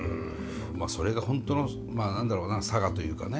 まあそれが本当の何だろうな性というかね